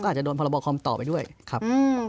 ก็อาจจะโดนพรบคอมพิวเตอร์ต่อไปด้วยครับ